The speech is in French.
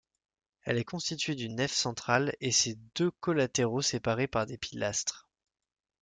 Elle est constituée d'une nef centrale et ses deux collatéraux séparés par des pilastres.